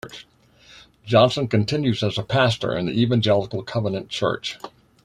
Johnson continues as a Pastor in the Evangelical Covenant Church.